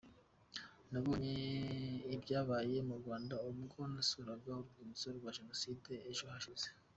Nabonye ibyabaye mu Rwanda ubwo nasuraga Urwibutso rwa Jenoside ejo hashize.